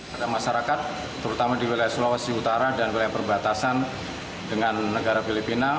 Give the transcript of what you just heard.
pada masyarakat terutama di wilayah sulawesi utara dan wilayah perbatasan dengan negara filipina